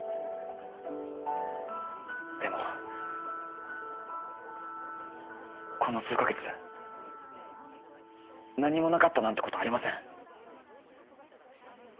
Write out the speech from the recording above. でもこの数か月何もなかったなんてことありません。